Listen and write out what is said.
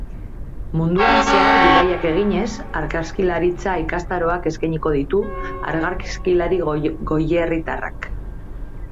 Munduan zehar bidaiak eginez, argazkilaritza ikastaroak eskainiko ditu argazkilari goierritarrak.